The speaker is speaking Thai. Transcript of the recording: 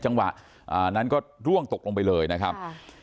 จังหวะนั้นก็ร่วงตกลงไปเลยนะครับ